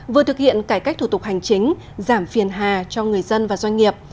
vừa thực hiện cải cách thủ tục hành chính giảm phiền hà cho người dân và doanh nghiệp